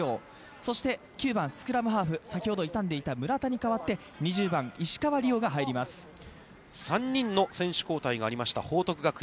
そして、９番、スクラムハーフ、先ほど痛んでいた村田に代わって３人の選手交代がありました報徳学園。